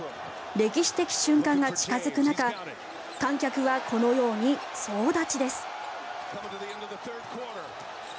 歴史的瞬間が近付く中観客はこのように総立ちです。